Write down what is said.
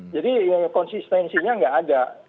jadi konsistensinya nggak ada